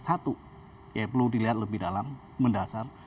satu ya perlu dilihat lebih dalam mendasar